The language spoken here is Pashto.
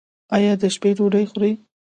ایا د شپې ډوډۍ خورئ؟